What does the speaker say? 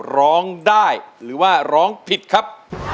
ร้องได้หรือว่าร้องผิดครับ